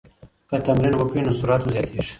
که تمرین وکړئ نو سرعت مو زیاتیږي.